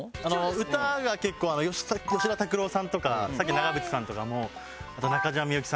歌が結構吉田拓郎さんとかさっきの長渕さんとかもあと中島みゆきさんとか。